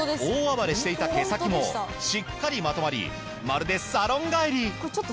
大暴れしていた毛先もしっかりまとまりまるでサロン帰り。